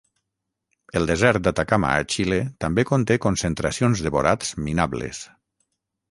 El desert d'Atacama a Xile també conté concentracions de borats minables.